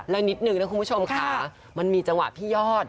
แล้วนิดนึงนะคุณผู้ชมค่ะมันมีจังหวะพี่ยอด